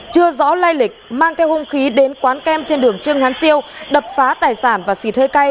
chưa rõ lai lịch mang theo hung khí đến quán kem trên đường trương hán siêu đập phá tài sản và xịt hơi cay